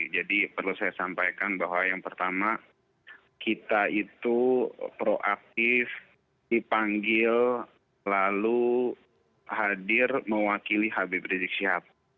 jadi perlu saya sampaikan bahwa yang pertama kita itu proaktif dipanggil lalu hadir mewakili habib rizik siap